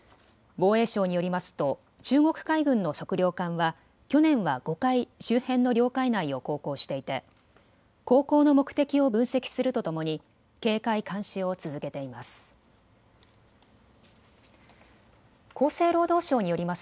防衛省によりますと中国海軍の測量艦は去年は５回周辺の領海内を航行していて航行の目的を分析するとともに警戒・監視を続けています。